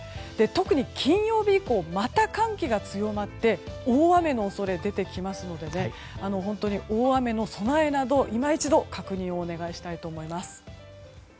特に金曜日以降また寒気が強まって大雨の恐れが出てきますので本当に大雨の備えなど今一度、確認お願いします。